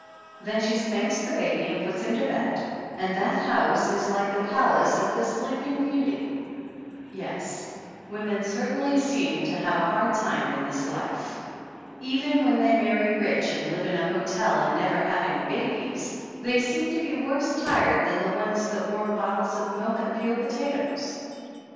Then she spanks the baby and puts him to bed, and that house is like the palace of the Sleeping Beauty. Yes, women certainly seem to have a hard time in this life. Even when they marry rich and live in a hotel and never have any babies they seem to be worse tired than the ones that warm bottles of milk and peel potatoes.